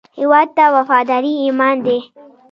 هیواد ته وفاداري ایمان دی